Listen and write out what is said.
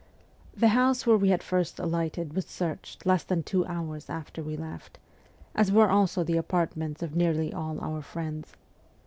The house where we had first ah'ghted was searched less than two hours after we left, as were also the apartments of nearly all our friends.